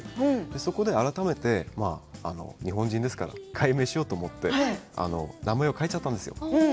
その時に、改めて日本人ですから改名しようと思って名前を変えちゃったんですよ。